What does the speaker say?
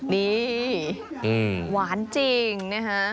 นี่หวานจริงนะฮะ